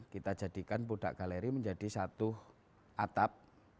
kita jadikan pudak galeri menjadi satu atap